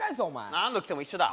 何度来ても一緒だ